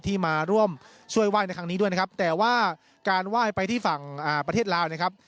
ที่มาร่วมช่วยไหว้ในครั้งนี้ด้วยนะครับแต่ว่าการไหว้ไปที่ฝั่งประเทศลาวนะครับ